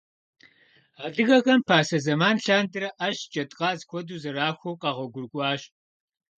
Адыгэхэм пасэ зэман лъандэрэ Ӏэщ, джэдкъаз куэду зэрахуэу къэгъуэгурыкӀуащ.